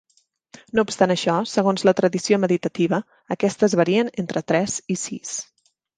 No obstant això, segons la tradició meditativa, aquestes varien entre tres i sis.